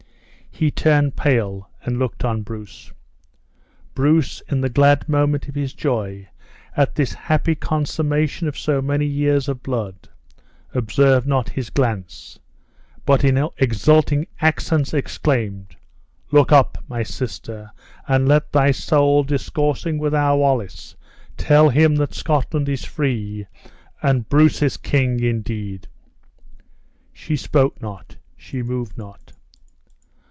He turned pale, and looked on Bruce. Bruce, in the glad moment of his joy at this happy consummation of so many years of blood, observed not his glance, but in exulting accents exclaimed, "Look up, my sister; and let thy soul, discoursing with our Wallace, tell him that Scotland is free, and Bruce's king indeed!" She spoke not, she moved not.